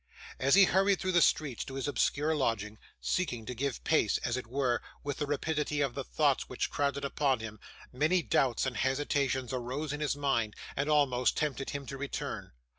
As he hurried through the streets to his obscure lodging, seeking to keep pace, as it were, with the rapidity of the thoughts which crowded upon him, many doubts and hesitations arose in his mind, and almost tempted him to return.